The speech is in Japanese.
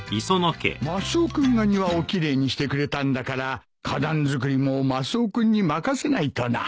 マスオ君が庭を奇麗にしてくれたんだから花壇作りもマスオ君に任せないとな